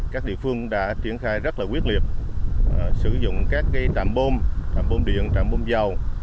các địa phương đã triển khai rất là quyết liệt sử dụng các trạm bôm trạm bôm điện trạm bôm dầu